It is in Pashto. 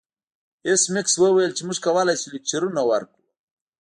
ایس میکس وویل چې موږ کولی شو لکچرونه ورکړو